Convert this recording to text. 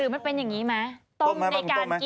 หรือมันเป็นอย่างนี้ไหม